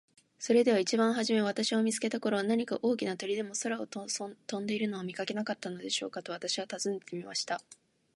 「それでは一番はじめ私を見つけた頃、何か大きな鳥でも空を飛んでいるのを見かけなかったでしょうか。」と私は尋ねてみました。